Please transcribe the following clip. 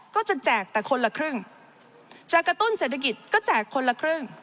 ก็จะแจกแต่คนละครึ่ง